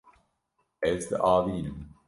Ez diavînim.